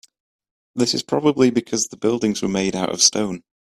This is probably because the buildings were made out of stone.